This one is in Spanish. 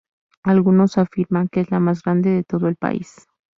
Algunos afirman que es la más grande de todo el país.